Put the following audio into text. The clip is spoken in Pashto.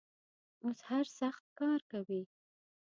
اوس هر سخت کار کوي.